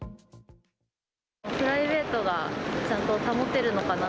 プライベートがちゃんと保てるのかな。